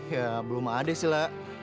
ya belum ada sih lah